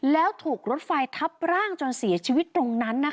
แล้วถูกรถไฟทับร่างจนเสียชีวิตตรงนั้นนะคะ